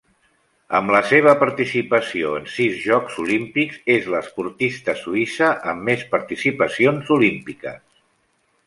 Amb la seva participació en sis Jocs Olímpics és l'esportista suïssa amb més participacions olímpiques.